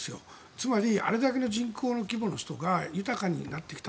つまりあれだけの人口の規模の人が豊かになってきた。